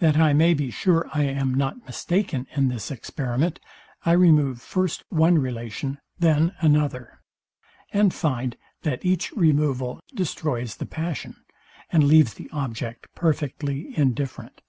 That I may be sure I am not mistaken in this experiment, I remove first one relation; then another; and find, that each removal destroys the passion, and leaves the object perfectly indifferent.